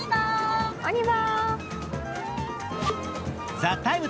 「ＴＨＥＴＩＭＥ，」